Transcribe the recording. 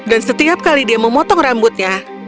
dan setiap kali dia memotong rambutnya